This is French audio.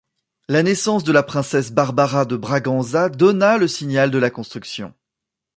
La naissance de la princesse Barbara de Braganza donna le signal de la construction.